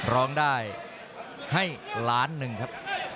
ร้องได้ให้ล้านหนึ่งครับ